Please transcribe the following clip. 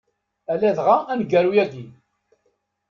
A ladɣa aneggaru-ayi.